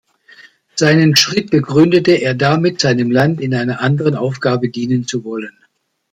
Seinen Schritt begründete er damit, seinem Land in einer anderen Aufgabe dienen zu wollen.